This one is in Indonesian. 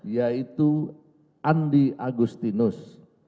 yaitu andi agustinus